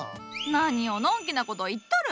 何をのんきなこと言っとる。